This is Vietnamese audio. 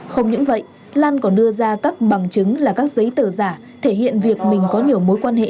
không những vậy lan còn đưa ra các bằng chứng là các giấy tờ giả thể hiện việc mình có nhiều mối quan hệ